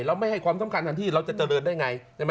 ไม่ให้ความสำคัญทางที่เราจะเจริญได้ไง